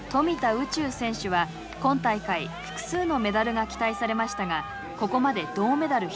宇宙選手は今大会複数のメダルが期待されましたがここまで銅メダル１つ。